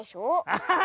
アッハハ！